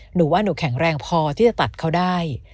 หนูว่าหนูแข็งแรงพอที่จะตัดเขาได้